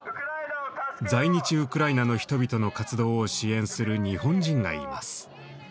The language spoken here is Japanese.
在日ウクライナの人々の活動を支援する日本人がいます。